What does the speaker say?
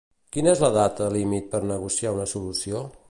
Quina és la data límit per negociar una solució?